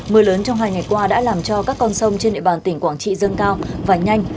mưa lớn trong hai ngày qua đã làm cho các con sông trên địa bàn tỉnh quảng trị dâng cao và nhanh